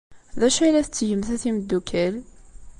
D acu ay la tettgemt a timeddukal?